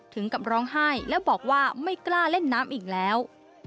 ถึงกับร้องไห้และบอกว่าไม่กล้าเล่นน้ำอีกแล้ว